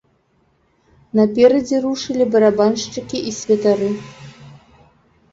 Наперадзе рушылі барабаншчыкі і святары.